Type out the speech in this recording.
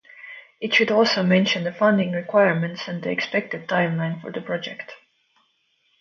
It should also mention the funding requirements and the expected timeline for the project.